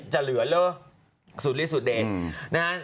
จะเหลือเลยสุดลิดสุดเด่นนะฮะ